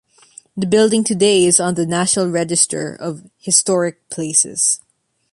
The building today is on the National Register of Historic Places.